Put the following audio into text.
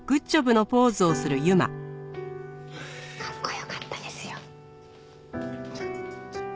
かっこよかったですよ。